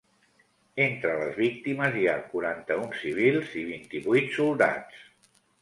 Entre les víctimes, hi ha quaranta-un civils i vint-i-vuit soldats.